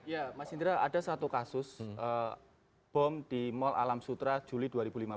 ya mas indra ada satu kasus bom di mall alam sutra juli dua ribu lima belas